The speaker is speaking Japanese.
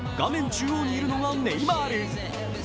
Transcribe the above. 中央にいるのがネイマール。